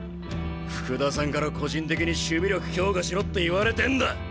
福田さんから個人的に守備力強化しろって言われてんだ！